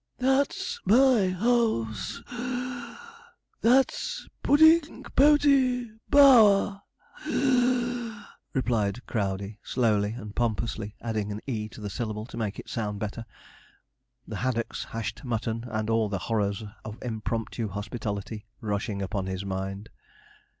'That's my house (puff); that's Puddingpote Bower (wheeze),' replied Crowdey slowly and pompously, adding an 'e' to the syllable, to make it sound better, the haddocks, hashed mutton, and all the horrors of impromptu hospitality rushing upon his mind.